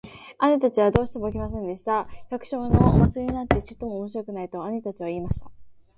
兄たちはどうしても来ませんでした。「百姓のお祭なんてちっとも面白くない。」と兄たちは言いました。